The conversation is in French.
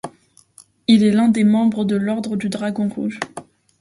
Il est un des membres de l'ordre du Dragon Rouge.